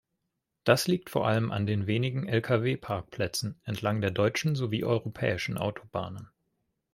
Das liegt vor allem an den wenigen Lkw-Parkplätzen entlang der deutschen sowie europäischen Autobahnen.